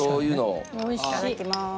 いただきます。